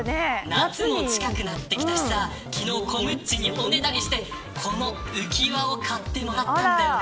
夏も近くなってきたし昨日コムっちにおねだりしてこの浮輪を買ってもらったんだよね。